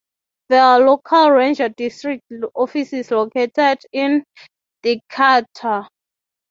There are local ranger district offices located in Decatur.